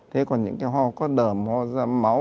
thế còn những cái ho có đờm ho ra máu